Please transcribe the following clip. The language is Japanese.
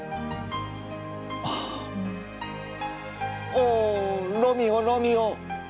「おゝロミオロミオ！